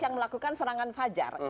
yang melakukan serangan fajar